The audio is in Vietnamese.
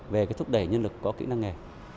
về cái thúc đẩy nhân lực có kỹ năng nghề